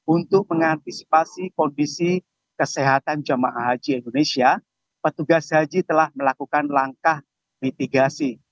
untuk mengantisipasi kondisi kesehatan jemaah haji indonesia petugas haji telah melakukan langkah mitigasi